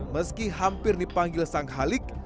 meski hampir dipanggil sang halik